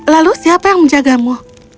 lalu siapa yang menjagamu